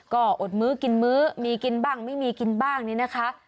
ก็อดมื้อกินมื้อมีกินบ้างไม่มีกินบ้างนี่นะคะ